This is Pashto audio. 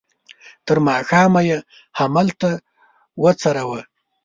تر ماښامه یې همالته وڅروه.